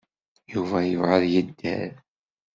Yuba yebɣa ad yedder.